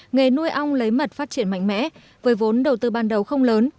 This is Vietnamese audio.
nghề nuôi ong lấy mật phát triển mạnh mẽ với vốn đầu tư ban đầu không lớn